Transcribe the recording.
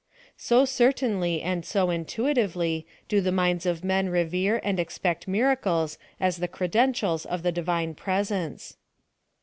So certainly, and so in tuitively, do the minds of men revere and expect miracles as the credentials of the Divine presence.